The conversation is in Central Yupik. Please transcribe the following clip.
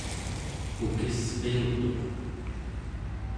ukisqiutuq